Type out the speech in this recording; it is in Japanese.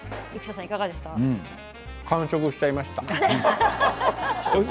完食しちゃいました。